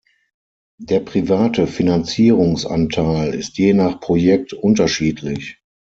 Der private Finanzierungsanteil ist je nach Projekt unterschiedlich.